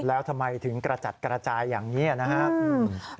แล้วทำไมถึงกระจัดกระจายอย่างนี้นะครับ